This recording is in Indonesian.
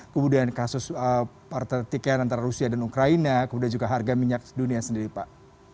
kemudian kasus partai antara rusia dan ukraina kemudian juga harga minyak dunia sendiri pak